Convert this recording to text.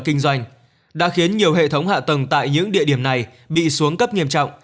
kinh doanh đã khiến nhiều hệ thống hạ tầng tại những địa điểm này bị xuống cấp nghiêm trọng